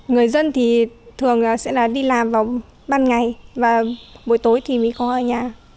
người dân thì thường sẽ đi làm vào ban ngày và buổi tối thì mới có ở nhà